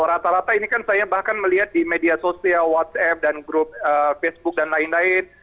rata rata ini kan saya bahkan melihat di media sosial whatsapp dan grup facebook dan lain lain